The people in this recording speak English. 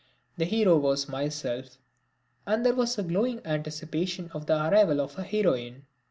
The hero was myself and there was a glowing anticipation of the arrival of a heroine.